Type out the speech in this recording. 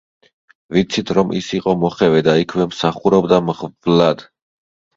ვიცით, რომ ის იყო მოხევე და იქვე მსახურობდა მღვდლად.